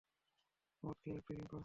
মদ খেয়ে ইভটিজিং করছ!